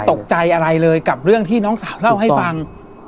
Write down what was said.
ตกใจอะไรเลยกับเรื่องที่น้องสาวเล่าให้ฟัง